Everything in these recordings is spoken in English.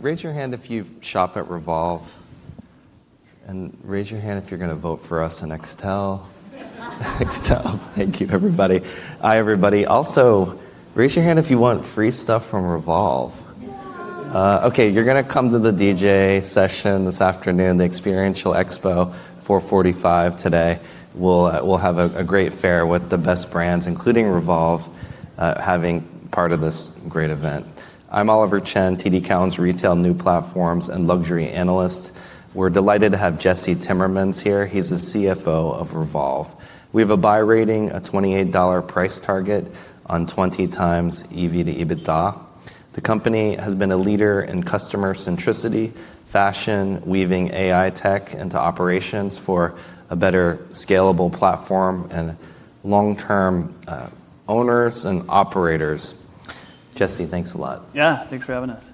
Raise your hand if you shop at Revolve and raise your hand if you're going to vote for us in Extel. Extel. Thank you, everybody. Hi, everybody. Also, raise your hand if you want free stuff from Revolve. Yeah. Okay, you're going to come to the DJ session this afternoon, the Experiential Expo, 4:45 P.M. today. We'll have a great fair with the best brands, including Revolve, having part of this great event. I'm Oliver Chen, TD Cowen's retail new platforms and luxury analyst. We're delighted to have Jesse Timmermans here. He's the CFO of Revolve. We have a buy rating, a $28 price target on 20x EV to EBITDA. The company has been a leader in customer centricity, fashion, weaving AI tech into operations for a better scalable platform and long-term owners and operators. Jesse, thanks a lot. Yeah, thanks for having us.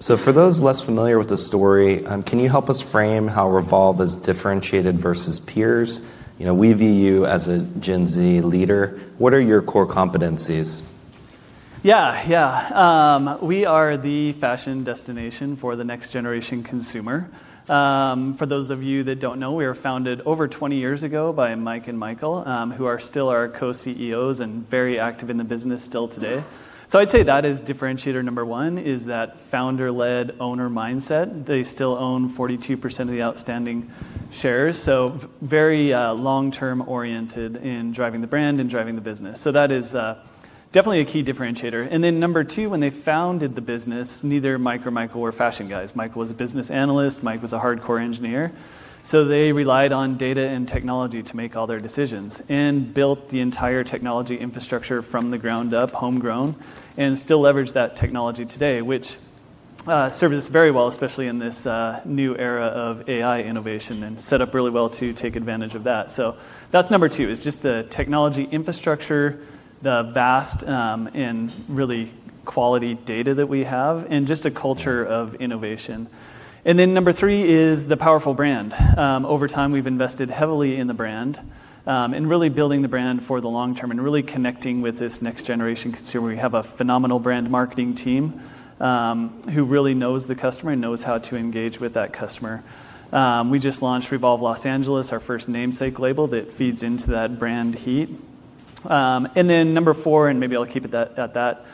For those less familiar with the story, can you help us frame how Revolve is differentiated versus peers? We view you as a Gen Z leader. What are your core competencies? We are the fashion destination for the next-generation consumer. For those of you that don't know, we were founded over 20 years ago by Mike and Michael, who are still our co-CEOs and very active in the business still today. I'd say that is differentiator Number 1 is that founder-led owner mindset. They still own 42% of the outstanding shares, very long-term oriented in driving the brand and driving the business. That is definitely a key differentiator. Number 2, when they founded the business, neither Mike nor Michael were fashion guys. Michael was a business analyst. Mike was a hardcore engineer. They relied on data and technology to make all their decisions and built the entire technology infrastructure from the ground up, homegrown, and still leverage that technology today, which serves us very well, especially in this new era of AI innovation, and set up really well to take advantage of that. That's Number 2 is just the technology infrastructure, the vast and really quality data that we have, and just a culture of innovation. Then Number 3 is the powerful brand. Over time, we've invested heavily in the brand, in really building the brand for the long term and really connecting with this next-generation consumer. We have a phenomenal brand marketing team who really knows the customer and knows how to engage with that customer. We just launched Revolve Los Angeles, our first namesake label that feeds into that brand heat. Then Number 4, and maybe I'll keep it at that,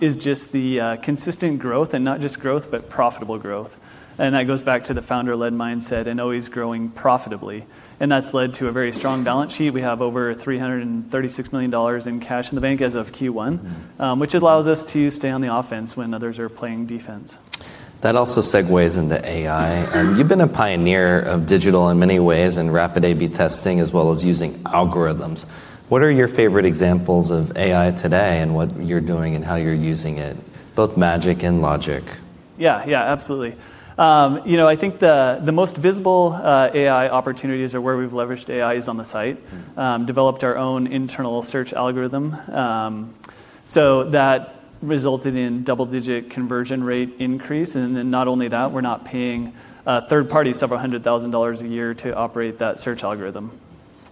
is just the consistent growth, and not just growth, but profitable growth. That goes back to the founder-led mindset and always growing profitably. That's led to a very strong balance sheet. We have over $336 million in cash in the bank as of Q1, which allows us to stay on the offense when others are playing defense. That also segues into AI. You've been a pioneer of digital in many ways and rapid A/B testing as well as using algorithms. What are your favorite examples of AI today and what you're doing and how you're using it, both magic and logic? Yeah, absolutely. I think the most visible AI opportunities are where we've leveraged AI is on the site. Developed our own internal search algorithm. That resulted in double-digit conversion rate increase, and then not only that, we're not paying a third party several hundred thousand dollars a year to operate that search algorithm.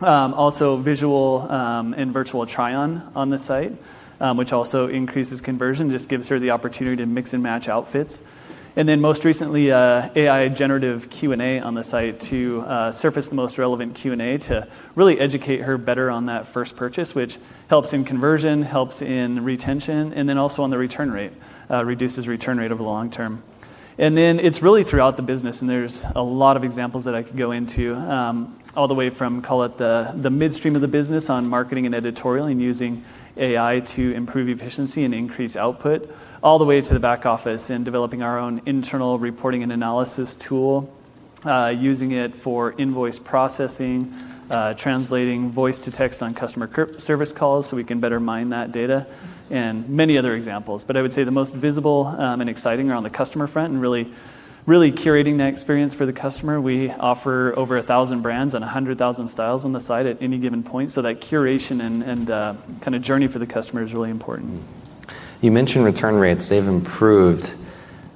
Visual and virtual try-on on the site, which also increases conversion. Gives her the opportunity to mix and match outfits. Most recently, AI generative Q&A on the site to surface the most relevant Q&A to really educate her better on that first purchase, which helps in conversion, helps in retention, and then also on the return rate, reduces return rate over the long term. It's really throughout the business, and there's a lot of examples that I could go into. All the way from, call it the midstream of the business on marketing and editorial and using AI to improve efficiency and increase output, all the way to the back office in developing our own internal reporting and analysis tool. Using it for invoice processing, translating voice to text on customer service calls so we can better mine that data, and many other examples. I would say the most visible and exciting are on the customer front and really curating that experience for the customer. We offer over 1,000 brands and 100,000 styles on the site at any given point, so that curation and kind of journey for the customer is really important. You mentioned return rates, they've improved.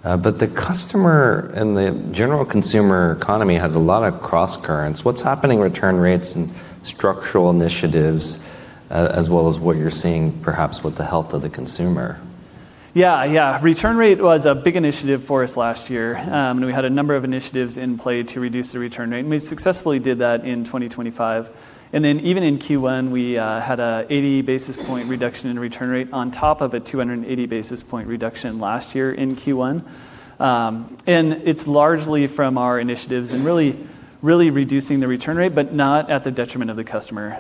The customer and the general consumer economy has a lot of crosscurrents. What's happening return rates and structural initiatives, as well as what you're seeing perhaps with the health of the consumer? Yeah. Return rate was a big initiative for us last year, and we had a number of initiatives in play to reduce the return rate, and we successfully did that in 2025. Even in Q1, we had a 80 basis point reduction in return rate on top of a 280-basis point reduction last year in Q1. It's largely from our initiatives and really reducing the return rate, but not at the detriment of the customer.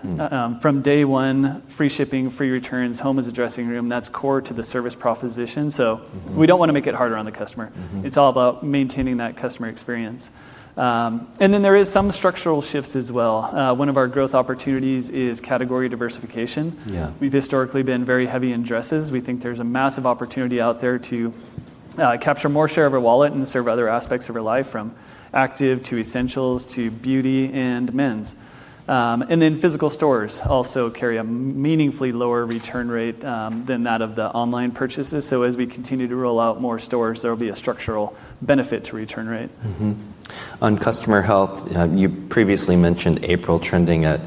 From day one, free shipping, free returns, home is a dressing room. That's core to the service proposition. We don't want to make it harder on the customer. It's all about maintaining that customer experience. Then there is some structural shifts as well. One of our growth opportunities is category diversification. Yeah. We've historically been very heavy in dresses. We think there's a massive opportunity out there to capture more share of her wallet and serve other aspects of her life, from active to essentials to beauty and men's. Physical stores also carry a meaningfully lower return rate than that of the online purchases. As we continue to roll out more stores, there will be a structural benefit to return rate. Mm-hmm. On customer health, you previously mentioned April trending at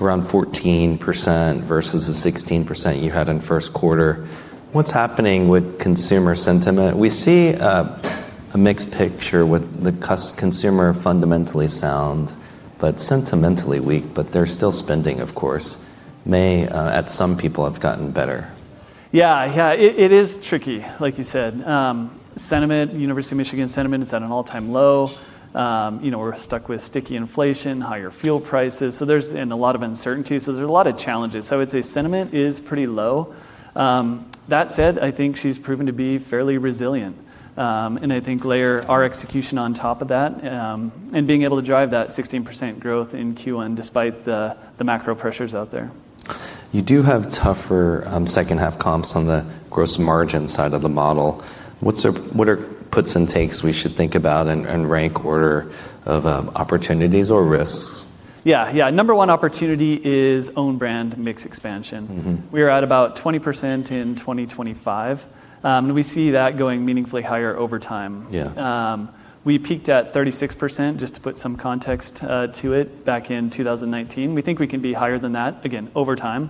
around 14% versus the 16% you had in first quarter. What's happening with consumer sentiment? We see a mixed picture with the consumer fundamentally sound, but sentimentally weak, but they're still spending, of course. May, at some people, have gotten better. Yeah. It is tricky, like you said. Sentiment, University of Michigan sentiment is at an all-time low. We're stuck with sticky inflation, higher fuel prices, and a lot of uncertainty, so there's a lot of challenges. I would say sentiment is pretty low. That said, I think she's proven to be fairly resilient. I think layer our execution on top of that and being able to drive that 16% growth in Q1 despite the macro pressures out there. You do have tougher second half comps on the gross margin side of the model. What are puts and takes we should think about and rank order of opportunities or risks? Yeah. Number 1 opportunity is own brand mix expansion. We are at about 20% in 2025. We see that going meaningfully higher over time. Yeah. We peaked at 36%, just to put some context to it, back in 2019. We think we can be higher than that, again, over time.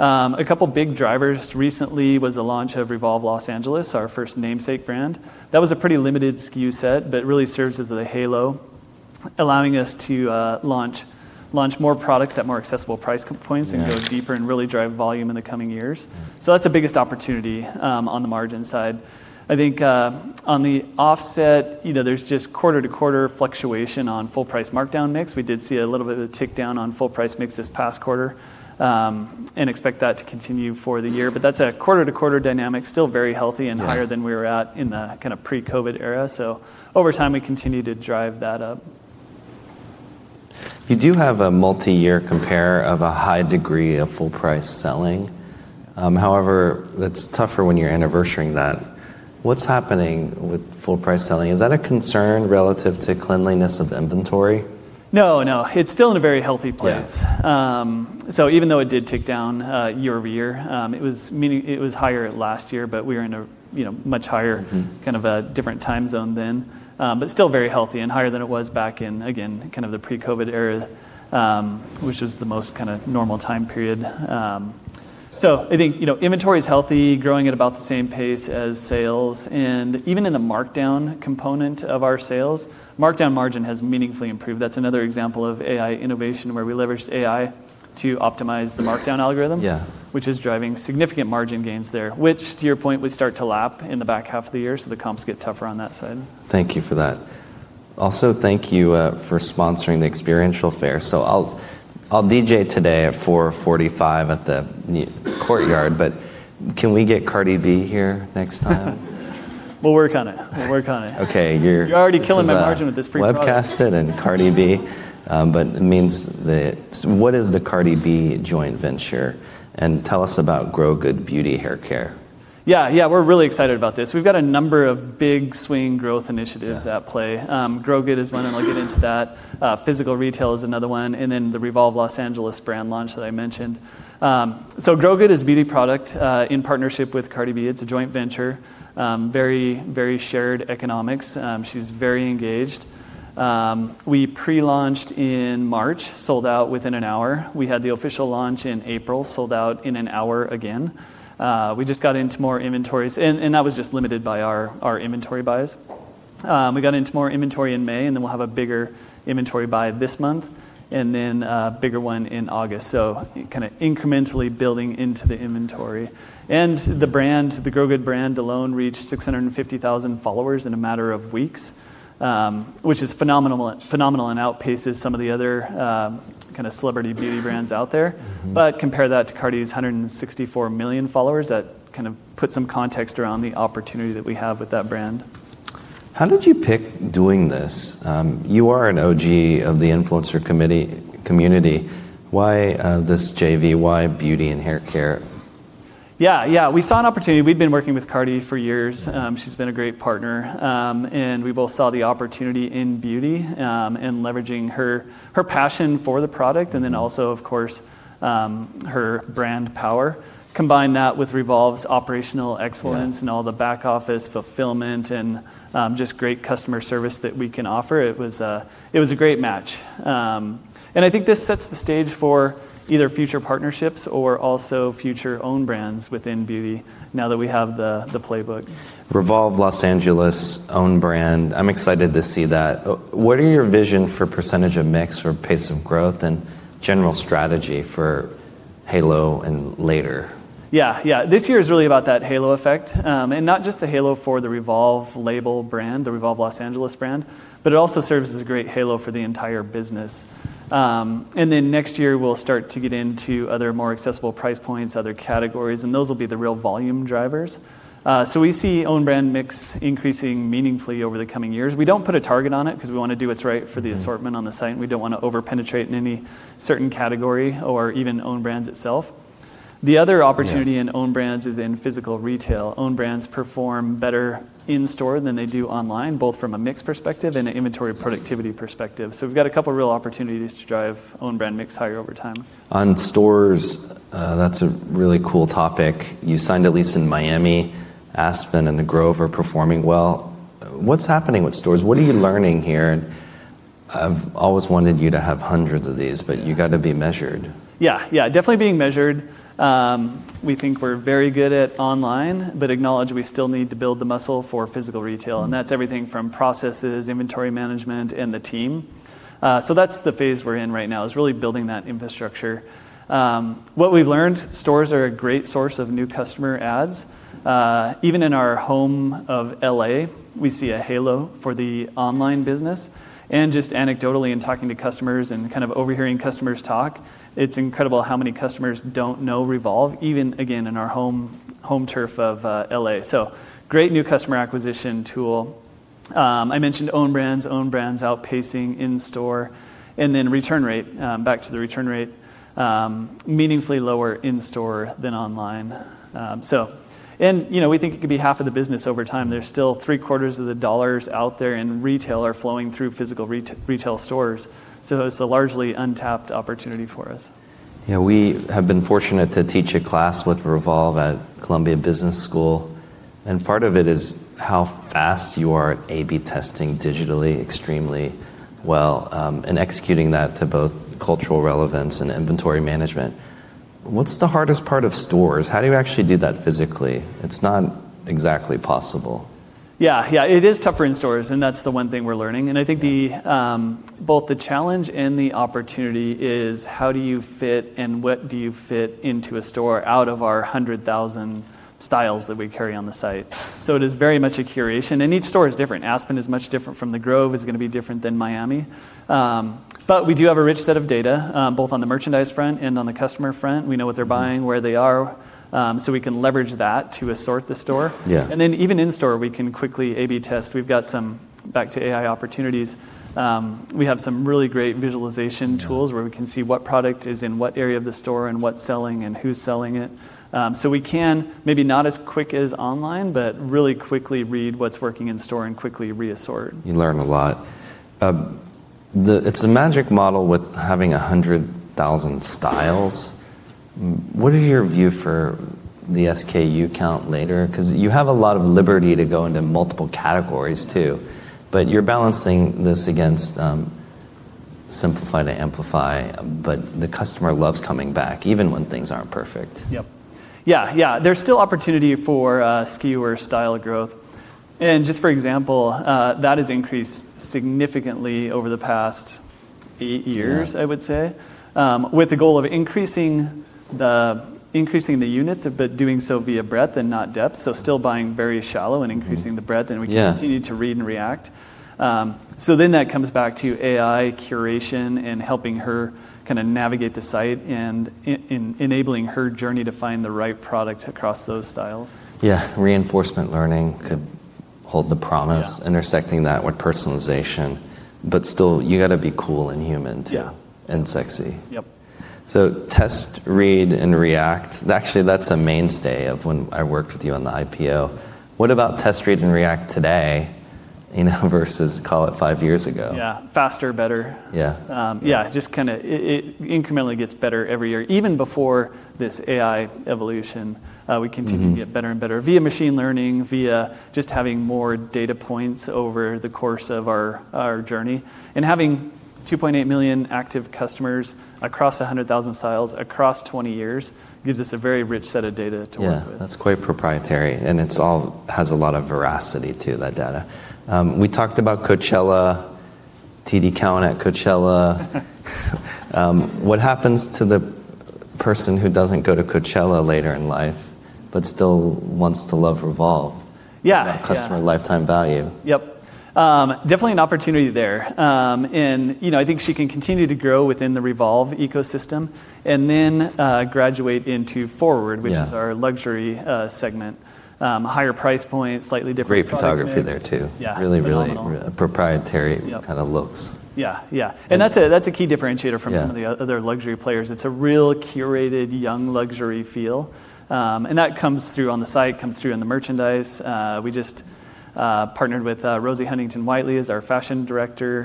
A couple big drivers recently was the launch of Revolve Los Angeles, our first namesake brand. That was a pretty limited SKU set, but really serves as a halo, allowing us to launch more products at more accessible price points. Yeah Go deeper and really drive volume in the coming years. That's the biggest opportunity on the margin side. I think on the offset, there's just quarter-to-quarter fluctuation on full price markdown mix. We did see a little bit of a tick down on full price mix this past quarter, and expect that to continue for the year, but that's a quarter-to-quarter dynamic. Still very healthy and higher. Yeah than we were at in the pre-COVID era. Over time, we continue to drive that up. You do have a multi-year compare of a high degree of full price selling. That's tougher when you're anniversarying that. What's happening with full price selling? Is that a concern relative to cleanliness of inventory? No. It's still in a very healthy place. Yeah. Even though it did tick down year-over-year, it was higher last year, but we were in a much higher, a different time zone then. Still very healthy and higher than it was back in, again, the pre-COVID era, which was the most normal time period. I think inventory's healthy, growing at about the same pace as sales. Even in the markdown component of our sales, markdown margin has meaningfully improved. That's another example of AI innovation, where we leveraged AI to optimize the markdown algorithm. Yeah which is driving significant margin gains there. To your point, we start to lap in the back half of the year, so the comps get tougher on that side. Thank you for that. Also, thank you for sponsoring the experiential fair. I'll DJ today at 4:45 at the Courtyard, but can we get Cardi B here next time? We'll work on it. Okay. You're already killing my margin with this free product. Webcast it and Cardi B. What is the Cardi B joint venture? Tell us about Grow-Good Beauty Hair Care. Yeah. We're really excited about this. We've got a number of big swing growth initiatives at play. Yeah. Grow-Good is one. I'll get into that. Physical retail is another one. The REVOLVE Los Angeles brand launch that I mentioned. Grow-Good is beauty product, in partnership with Cardi B. It's a joint venture. Very shared economics. She's very engaged. We pre-launched in March, sold out within an hour. We had the official launch in April, sold out in an hour again. We just got into more inventories. That was just limited by our inventory buys. We got into more inventory in May. We'll have a bigger inventory buy this month. A bigger one in August. Incrementally building into the inventory. The Grow-Good brand alone reached 650,000 followers in a matter of weeks, which is phenomenal and outpaces some of the other celebrity beauty brands out there. Compare that to Cardi's 164 million followers, that kind of puts some context around the opportunity that we have with that brand. How did you pick doing this? You are an OG of the influencer community. Why this JV? Why beauty and hair care? Yeah. We saw an opportunity. We'd been working with Cardi for years. She's been a great partner. We both saw the opportunity in beauty, and leveraging her passion for the product, and then also, of course, her brand power. Combine that with Revolve's operational excellence. Yeah All the back office fulfillment and just great customer service that we can offer. It was a great match. I think this sets the stage for either future partnerships or also future own brands within beauty now that we have the playbook. REVOLVE Los Angeles own brand. I'm excited to see that. What are your vision for % of mix or pace of growth and general strategy for halo and later? Yeah. This year is really about that halo effect. Not just the halo for the Revolve label brand, the REVOLVE Los Angeles brand, but it also serves as a great halo for the entire business. Next year, we'll start to get into other more accessible price points, other categories, and those will be the real volume drivers. We see own brand mix increasing meaningfully over the coming years. We don't put a target on it because we want to do what's right for the assortment on the site, and we don't want to over-penetrate in any certain category or even own brands itself. The other opportunity. Yeah In own brands is in physical retail. Own brands perform better in store than they do online, both from a mix perspective and an inventory productivity perspective. We've got a couple real opportunities to drive own brand mix higher over time. On stores, that's a really cool topic. You signed a lease in Miami. Aspen and The Grove are performing well. What's happening with stores? What are you learning here? I've always wanted you to have hundreds of these, but you got to be measured. Yeah. Definitely being measured. We think we're very good at online, but acknowledge we still need to build the muscle for physical retail. That's everything from processes, inventory management, and the team. That's the phase we're in right now is really building that infrastructure. What we've learned, stores are a great source of new customer adds. Even in our home of L.A., we see a halo for the online business, and just anecdotally in talking to customers and kind of overhearing customers talk, it's incredible how many customers don't know Revolve, even, again, in our home turf of L.A. Great new customer acquisition tool. I mentioned own brands. Own brands outpacing in store. Then return rate, back to the return rate, meaningfully lower in store than online. We think it could be half of the business over time. There's still three quarters of the dollars out there in retail are flowing through physical retail stores. It's a largely untapped opportunity for us. We have been fortunate to teach a class with Revolve at Columbia Business School, and part of it is how fast you are A/B testing digitally extremely well and executing that to both cultural relevance and inventory management. What's the hardest part of stores? How do you actually do that physically? It's not exactly possible. Yeah. It is tougher in stores, That's the one thing we're learning. I think both the challenge and the opportunity is how do you fit and what do you fit into a store out of our 100,000 styles that we carry on the site. It is very much a curation. Each store is different. Aspen is much different from the Grove, is going to be different than Miami. We do have a rich set of data both on the merchandise front and on the customer front. We know what they're buying, where they are. We can leverage that to assort the store. Yeah. Even in store, we can quickly A/B test. Back to AI opportunities, we have some really great visualization tools. Yeah where we can see what product is in what area of the store and what's selling and who's selling it. We can, maybe not as quick as online, but really quickly read what's working in store and quickly re-assort. You learn a lot. It's a magic model with having 100,000 styles. What are your view for the SKU count later? You have a lot of liberty to go into multiple categories too, but you're balancing this against simplify to amplify, but the customer loves coming back even when things aren't perfect. Yep. Yeah. There's still opportunity for SKU or style growth. Just for example, that has increased significantly over the past eight years. Yeah I would say. With the goal of increasing the units, but doing so via breadth and not depth, so still buying very shallow and increasing the breadth. Yeah We continue to read and react. That comes back to AI curation and helping her kind of navigate the site and enabling her journey to find the right product across those styles. Yeah. Reinforcement learning could hold the promise. Yeah intersecting that with personalization. Still, you got to be cool and human too. Yeah. Sexy. Yep. Test, read, and react. Actually, that's a mainstay of when I worked with you on the IPO. What about test, read, and react today versus call it five years ago? Yeah. Faster, better. Yeah. Yeah. It incrementally gets better every year. Even before this AI evolution. We continue to get better and better via machine learning, via just having more data points over the course of our journey. Having 2.8 million active customers across 100,000 styles across 20 years gives us a very rich set of data to work with. Yeah. That's quite proprietary, and it all has a lot of veracity to that data. We talked about Coachella, TD Cowen at Coachella. What happens to the person who doesn't go to Coachella later in life but still wants to love Revolve? Yeah. That customer lifetime value. Yep. Definitely an opportunity there. I think she can continue to grow within the Revolve ecosystem and then graduate into FWRD. Yeah which is our luxury segment. Higher price point, slightly different product mix. Great photography there, too. Yeah. Phenomenal. Really proprietary. Yep kind of looks. Yeah. That's a key differentiator. Yeah Some of the other luxury players. It's a real curated, young luxury feel. That comes through on the site, comes through on the merchandise. We just partnered with Rosie Huntington-Whiteley as our fashion director,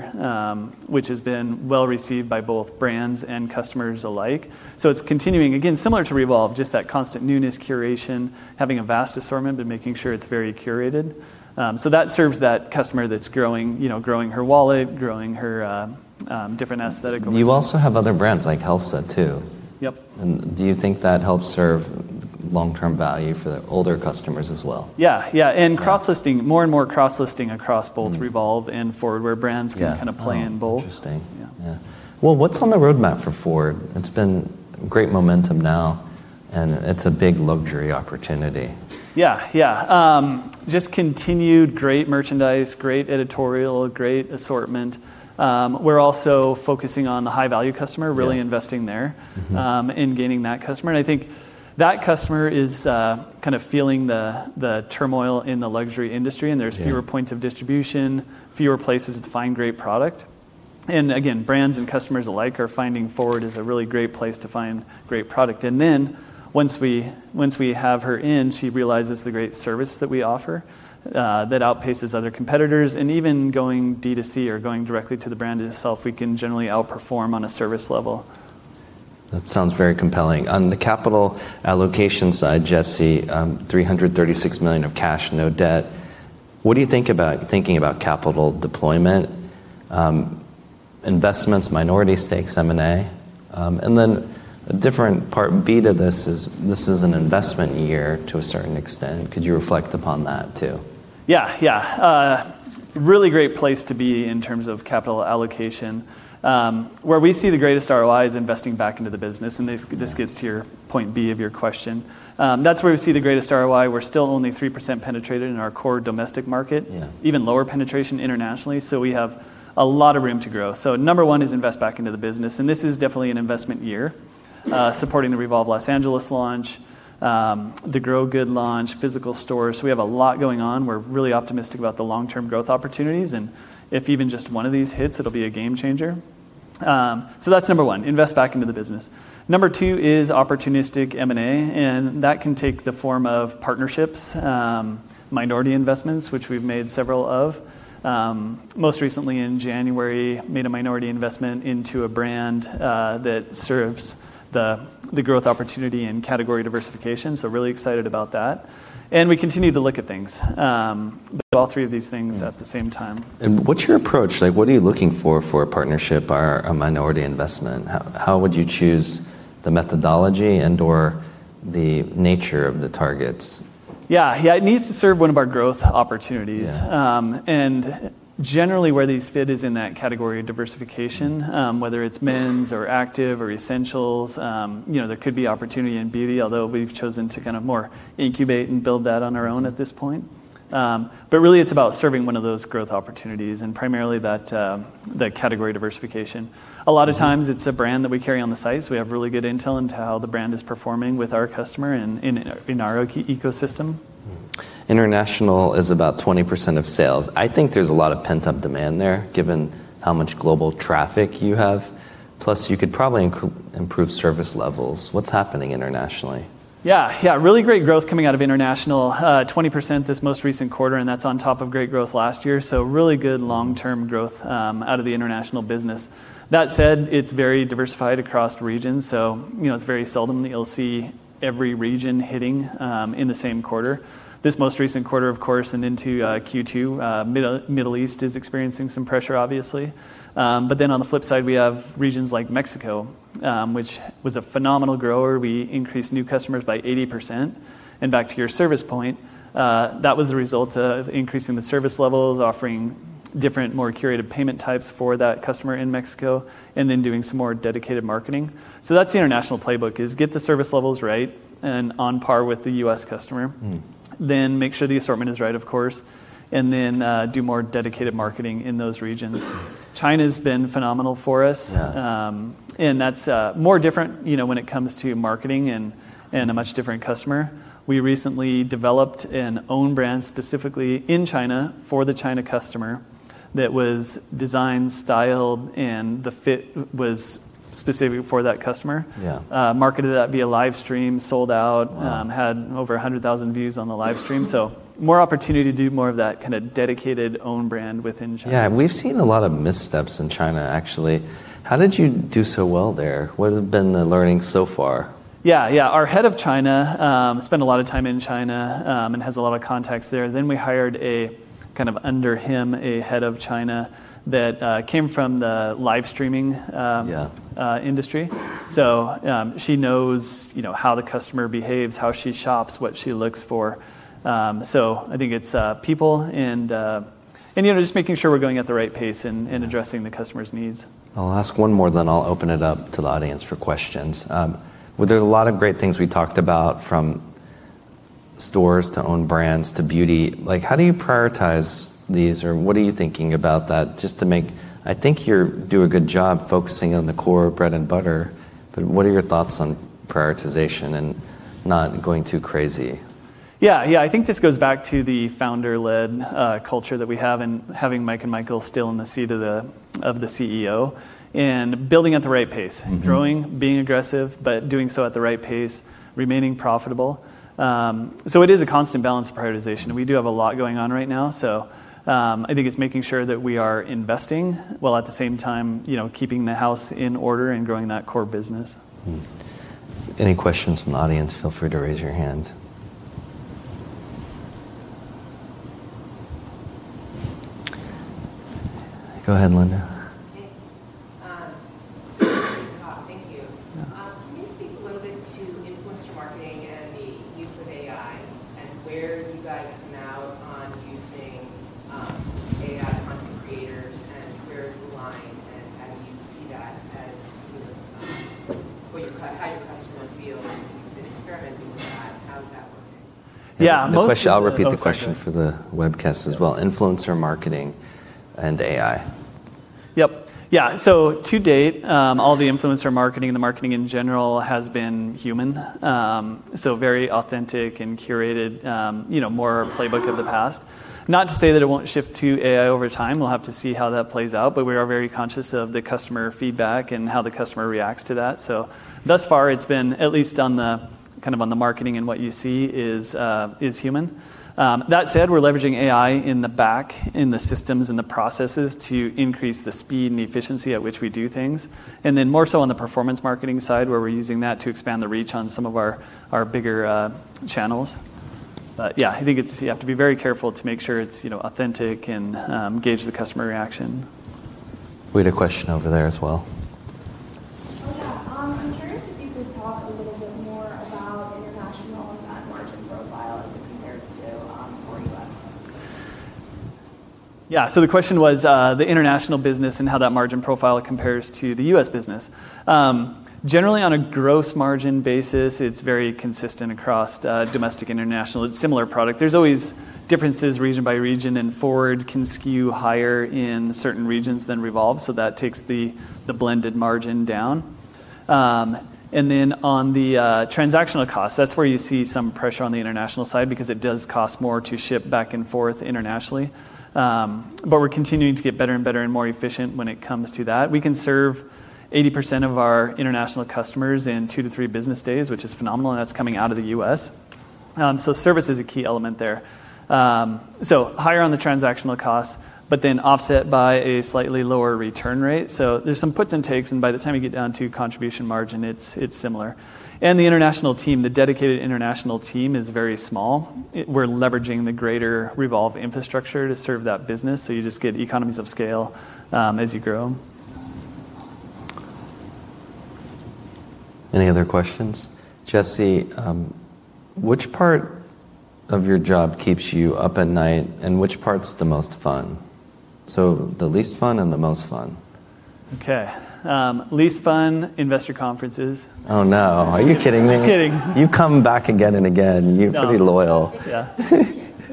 which has been well-received by both brands and customers alike. It's continuing, again, similar to Revolve, just that constant newness curation, having a vast assortment, but making sure it's very curated. That serves that customer that's growing her wallet, growing her different aesthetic over time. You also have other brands like Helsa too. Yep. Do you think that helps serve long-term value for the older customers as well? Yeah. Cross-listing, more and more cross-listing across both Revolve and FWRD where brands. Yeah can kind of play in both. Oh, interesting. Yeah. Yeah. Well, what's on the roadmap for FWRD? It's been great momentum now, and it's a big luxury opportunity. Yeah. Just continued great merchandise, great editorial, great assortment. We're also focusing on the high-value customer- Yeah really investing there. in gaining that customer. I think that customer is kind of feeling the turmoil in the luxury industry. Yeah There's fewer points of distribution, fewer places to find great product. Again, brands and customers alike are finding FWRD is a really great place to find great product. Then once we have her in, she realizes the great service that we offer that outpaces other competitors. Even going D2C or going directly to the brand itself, we can generally outperform on a service level. That sounds very compelling. On the capital allocation side, Jesse, $336 million of cash, no debt. What are you thinking about capital deployment, investments, minority stakes, M&A? A different part B to this is, this is an investment year to a certain extent. Could you reflect upon that, too? Yeah. Really great place to be in terms of capital allocation. Where we see the greatest ROI is investing back into the business, and this gets to your point B of your question. That's where we see the greatest ROI. We're still only 3% penetrated in our core domestic market. Yeah. Even lower penetration internationally. We have a lot of room to grow. Number 1 is invest back into the business, and this is definitely an investment year, supporting the REVOLVE Los Angeles launch, the Grow-Good launch, physical stores. We have a lot going on. We're really optimistic about the long-term growth opportunities, and if even just one of these hits, it'll be a game changer. That's Number 1, invest back into the business. Number 2 is opportunistic M&A, and that can take the form of partnerships, minority investments, which we've made several of. Most recently in January, made a minority investment into a brand that serves the growth opportunity and category diversification, really excited about that. We continue to look at things. All three of these things at the same time. What's your approach? What are you looking for a partnership or a minority investment? How would you choose the methodology and/or the nature of the targets? It needs to serve one of our growth opportunities. Yeah. Generally, where these fit is in that category of diversification, whether it's men's or active or essentials. There could be opportunity in beauty, although we've chosen to more incubate and build that on our own at this point. Really, it's about serving one of those growth opportunities, and primarily that category diversification. A lot of times it's a brand that we carry on the site, so we have really good intel into how the brand is performing with our customer and in our ecosystem. International is about 20% of sales. I think there's a lot of pent-up demand there, given how much global traffic you have. Plus, you could probably improve service levels. What's happening internationally? Yeah. Really great growth coming out of international. 20% this most recent quarter, and that's on top of great growth last year, so really good long-term growth out of the international business. That said, it's very diversified across regions, so it's very seldom that you'll see every region hitting in the same quarter. This most recent quarter, of course, and into Q2, Middle East is experiencing some pressure, obviously. On the flip side, we have regions like Mexico, which was a phenomenal grower. We increased new customers by 80%. Back to your service point, that was a result of increasing the service levels, offering different, more curated payment types for that customer in Mexico, and then doing some more dedicated marketing. That's the international playbook, is get the service levels right and on par with the U.S. customer. Make sure the assortment is right, of course, and then do more dedicated marketing in those regions. China's been phenomenal for us. Yeah. That's more different, when it comes to marketing and a much different customer. We recently developed an own brand specifically in China for the China customer that was designed, styled, and the fit was specific for that customer. Yeah. Marketed that via livestream, sold out. Wow. Had over 100,000 views on the livestream. More opportunity to do more of that kind of dedicated own brand within China. Yeah. We've seen a lot of missteps in China, actually. How did you do so well there? What has been the learning so far? Yeah. Our head of China spent a lot of time in China, and has a lot of contacts there. We hired, kind of under him, a head of China that came from the livestreaming- Yeah industry. She knows how the customer behaves, how she shops, what she looks for. I think it's people and just making sure we're going at the right pace and addressing the customer's needs. I'll ask one more, then I'll open it up to the audience for questions. Well, there's a lot of great things we talked about from stores to own brands to beauty. How do you prioritize these or what are you thinking about that, I think you do a good job focusing on the core bread and butter, but what are your thoughts on prioritization and not going too crazy? Yeah. I think this goes back to the founder-led culture that we have and having Mike and Michael still in the seat of the CEO and building at the right pace. Growing, being aggressive, but doing so at the right pace, remaining profitable. It is a constant balance of prioritization. We do have a lot going on right now, so I think it's making sure that we are investing while at the same time keeping the house in order and growing that core business. Any questions from the audience, feel free to raise your hand. Go ahead, Linda. Thanks. Good talk. Thank you. Can you speak a little bit to influencer marketing and the use of AI and where you guys come out on using AI content creators, and where is the line, and how do you see that as sort of how your customer feels when you've been experimenting with that? How is that working? Yeah, most of the- I'll repeat the question for the webcast as well. Influencer marketing and AI. Yep. Yeah. To date, all the influencer marketing and the marketing in general has been human. Very authentic and curated, more playbook of the past. Not to say that it won't shift to AI over time. We'll have to see how that plays out. We are very conscious of the customer feedback and how the customer reacts to that. Thus far, it's been at least on the marketing and what you see is human. That said, we're leveraging AI in the back, in the systems and the processes to increase the speed and the efficiency at which we do things, and then more so on the performance marketing side, where we're using that to expand the reach on some of our bigger channels. Yeah, I think you have to be very careful to make sure it's authentic and gauge the customer reaction. We had a question over there as well. Oh, yeah. I'm curious if you could talk a little bit more about international and that margin profile as it compares to more U.S. The question was the international business and how that margin profile compares to the U.S. business. Generally, on a gross margin basis, it's very consistent across domestic, international. It's similar product. There's always differences region by region, and FWRD can skew higher in certain regions than Revolve, so that takes the blended margin down. On the transactional costs, that's where you see some pressure on the international side because it does cost more to ship back and forth internationally. We're continuing to get better and better and more efficient when it comes to that. We can serve 80% of our international customers in two to three business days, which is phenomenal, and that's coming out of the U.S. Service is a key element there. Higher on the transactional costs, offset by a slightly lower return rate. There's some puts and takes, and by the time you get down to contribution margin, it's similar. The international team, the dedicated international team, is very small. We're leveraging the greater Revolve infrastructure to serve that business, so you just get economies of scale as you grow. Any other questions? Jesse, which part of your job keeps you up at night, and which part's the most fun? The least fun and the most fun. Okay. Least fun, investor conferences. Oh, no. Are you kidding me? Just kidding. You come back again and again. No. You're pretty loyal. Yeah.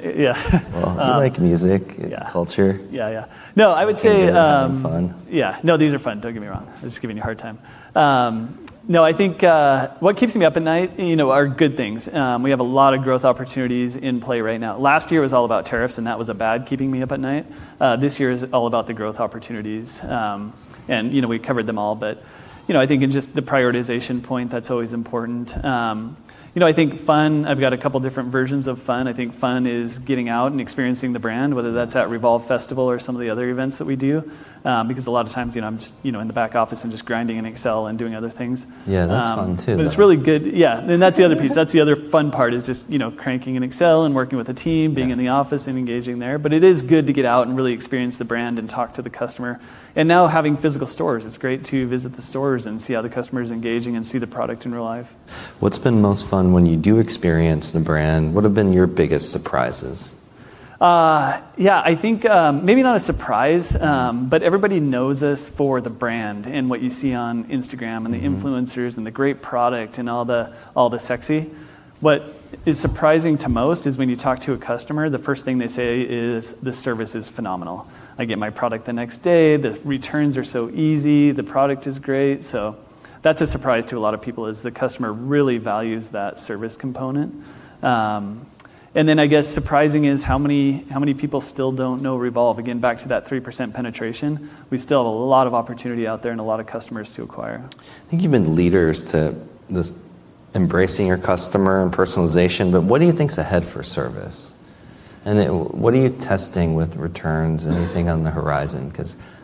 Yeah. Well, you like music. Yeah culture. Yeah, yeah. No. Media have fun. Yeah. No, these are fun. Don't get me wrong. I'm just giving you a hard time. No, I think what keeps me up at night are good things. We have a lot of growth opportunities in play right now. Last year was all about tariffs, and that was a bad keeping me up at night. This year is all about the growth opportunities. We covered them all, but I think in just the prioritization point, that's always important. I think fun, I've got a couple different versions of fun. I think fun is getting out and experiencing the brand, whether that's at REVOLVE Festival or some of the other events that we do. Because a lot of times, I'm just in the back office and just grinding in Excel and doing other things. Yeah, that's fun too, though. It's really good. Yeah. That's the other piece. That's the other fun part is just cranking in Excel and working with the team. Yeah being in the office and engaging there. It is good to get out and really experience the brand and talk to the customer. Now having physical stores, it's great to visit the stores and see how the customer's engaging and see the product in real life. What's been most fun when you do experience the brand? What have been your biggest surprises? Yeah, I think maybe not a surprise, but everybody knows us for the brand and what you see on Instagram. The influencers and the great product and all the sexy. What is surprising to most is when you talk to a customer, the first thing they say is, "The service is phenomenal. I get my product the next day. The returns are so easy. The product is great." That's a surprise to a lot of people; is the customer really values that service component. I guess surprising is how many people still don't know Revolve. Again, back to that 3% penetration. We still have a lot of opportunity out there and a lot of customers to acquire. I think you've been leaders to this embracing your customer and personalization, but what do you think is ahead for service? What are you testing with returns? Anything on the horizon?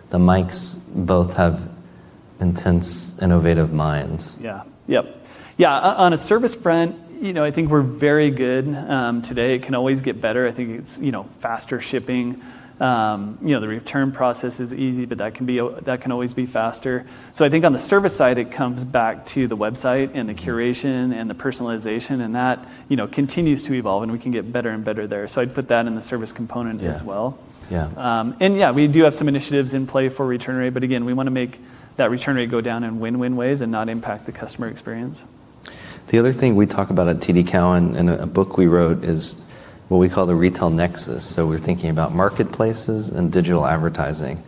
The Mikes both have intense, innovative minds. Yeah. On a service front, I think we're very good today. It can always get better. I think it's faster shipping. The return process is easy, but that can always be faster. I think on the service side, it comes back to the website and the curation and the personalization, and that continues to evolve, and we can get better and better there. I'd put that in the service component as well. Yeah. Yeah, we do have some initiatives in play for return rate, but again, we want to make that return rate go down in win-win ways and not impact the customer experience. The other thing we talk about at TD Cowen in a book we wrote is what we call the retail nexus. We're thinking about marketplaces and digital advertising.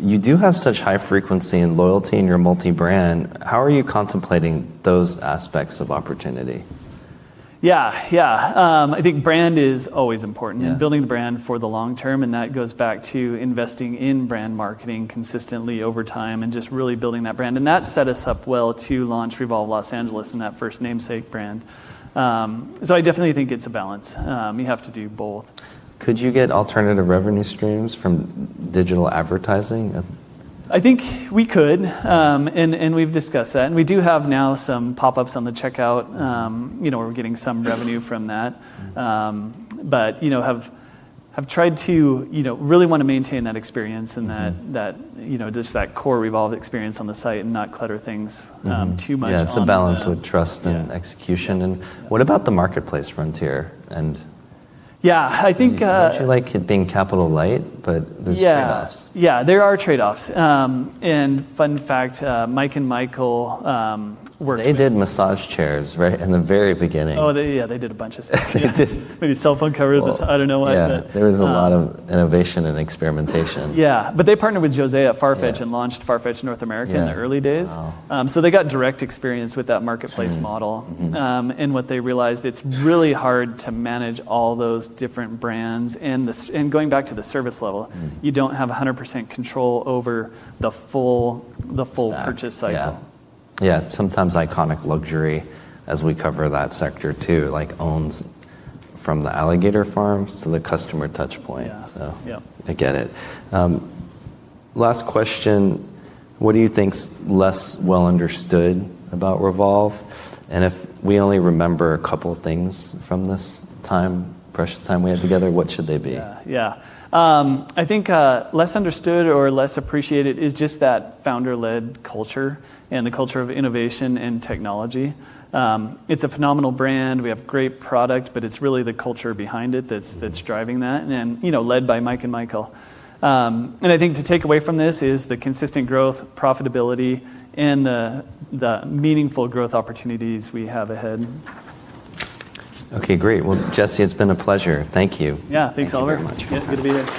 You do have such high frequency and loyalty in your multi-brand. How are you contemplating those aspects of opportunity? Yeah. I think brand is always important. Yeah building the brand for the long term, that goes back to investing in brand marketing consistently over time and just really building that brand. That set us up well to launch REVOLVE Los Angeles and that first namesake brand. I definitely think it's a balance. You have to do both. Could you get alternative revenue streams from digital advertising? I think we could, and we've discussed that. We do have now some pop-ups on the checkout. We're getting some revenue from that, have tried to really want to maintain that experience. just that core Revolve experience on the site and not clutter things too much. Yeah, it's a balance with. Yeah execution and what about the marketplace frontier? Yeah, I think- Don't you like it being capital light, but there's trade-offs. Yeah. There are trade-offs. Fun fact, Mike and Michael. They did massage chairs, right, in the very beginning. Oh, yeah, they did a bunch of stuff. They did. Maybe cellphone covers. I don't know. Yeah. There was a lot of innovation and experimentation. Yeah. They partnered with José at Farfetch. Yeah launched Farfetch North America. Yeah in the early days. Wow. They got direct experience with that marketplace model. What they realized, it's really hard to manage all those different brands going back to the service level. you don't have 100% control over the full purchase cycle. Yeah. Sometimes iconic luxury, as we cover that sector too, like owns from the alligator farms to the customer touch point. Yeah. So- Yeah I get it. Last question, what do you think is less well understood about Revolve? If we only remember a couple of things from this precious time, we had together, what should they be? Yeah. I think less understood or less appreciated is just that founder-led culture and the culture of innovation and technology. It's a phenomenal brand. We have great product, but it's really the culture behind it that's driving that- Led by Mike and Michael. I think to take away from this is the consistent growth, profitability, and the meaningful growth opportunities we have ahead. Okay, great. Well, Jesse, it's been a pleasure. Thank you. Yeah. Thanks, Oliver. Thank you very much. Yeah, good to be here.